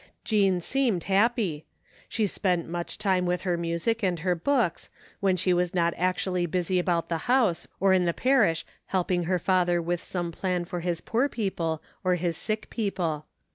Jean seemed happy. She spent much time with her music and her books, when she was not actually busy about the house or in the parish helping her father with some plan for his poor people or his sick people.